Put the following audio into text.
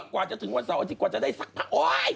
กว่าจะถึงวันเสาร์อาทิตย์กว่าจะได้ซักผ้า